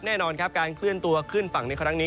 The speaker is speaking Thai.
แน่นอนครับการเคลื่อนตัวขึ้นฝั่งในครั้งนี้